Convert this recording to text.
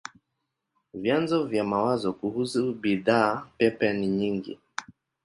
Vyanzo vya mawazo kuhusu bidhaa pepe ni nyingi.